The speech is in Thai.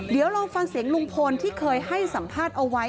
เดี๋ยวลองฟังเสียงลุงพลที่เคยให้สัมภาษณ์เอาไว้